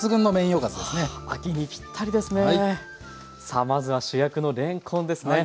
さあまずは主役のれんこんですね。